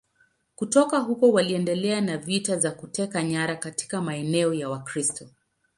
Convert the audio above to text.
Kutoka huko waliendelea na vita za kuteka nyara katika maeneo ya Wakristo.